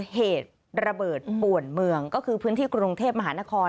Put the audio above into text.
เหตุระเบิดป่วนเมืองก็คือพื้นที่กรุงเทพมหานคร